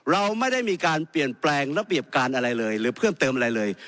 เราไม่ได้มีการเปลี่ยนแปลงระเบียบการอะไรเลยหรือเพิ่มเติมอะไรเลย